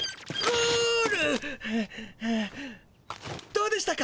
どうでしたか？